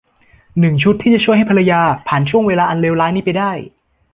หนึ่ง ชุดที่จะช่วยให้ภรรยาผ่านช่วงเวลาอันเลวร้ายนี้ไปได้